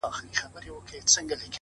خو دوی ويله چي تر ټولو مسلمان ښه دی!!